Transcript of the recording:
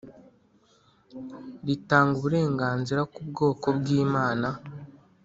ritanga uburenganzira kubwoko bwimana